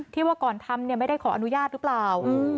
ที่ว่าก่อนทำเนี้ยไม่ได้ขออนุญาตรึเปล่าอืม